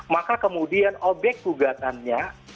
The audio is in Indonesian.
maka kemudian objek tugasannya